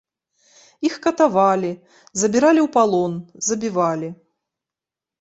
Іх катавалі, забіралі ў палон, забівалі.